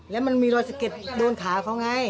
แล้วมันมีรอยสะเก็ดโดนขาเขาไง